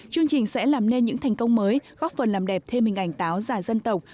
chương trình sẽ làm nên những thành công mới góp phần làm đẹp thêm hình ảnh áo dài dân tộc